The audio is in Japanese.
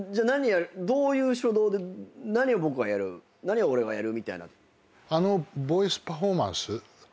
どういう初動で何を僕はやる何を俺はやるみたいな？